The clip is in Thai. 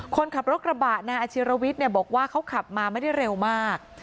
คนขับรถกระบะนายอาชิรวิทย์บอกว่าเขาขับมาไม่ได้เร็วมาก